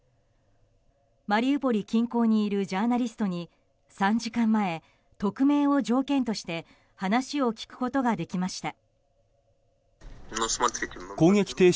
マリウポリ近郊にいるジャーナリストに３時間前、匿名を条件として話を聞くことができました。